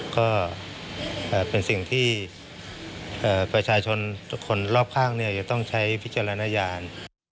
ก็เป็นสิ่งที่ประชาชนคนรอบข้างจะต้องใช้วิจารณญาณ